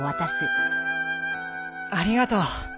ありがとう。